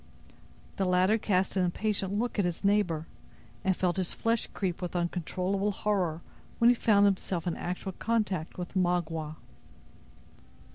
The latter cast an impatient look at his neighbor, and felt his flesh creep with uncontrollable horror when he found himself in actual contact with Magua.